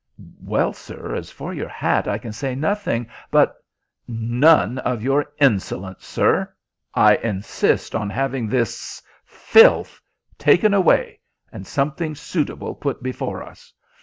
"Well, sir, as for your hat I can say nothing, but " "None of your insolence, sir. I insist on having this filth taken away and something suitable put before us.